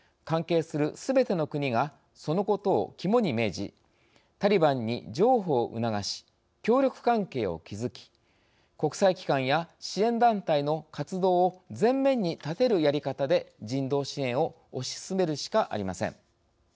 関係するすべての国がそのことを肝に銘じタリバンに譲歩を促し協力関係を築き国際機関や支援団体の活動を前面に立てるやり方で人道支援を推し進めるしかありません。